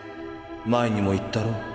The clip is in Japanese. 前にも言ったろ。